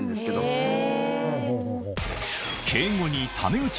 へぇ。